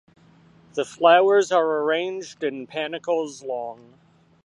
The flowers are arranged in panicles long.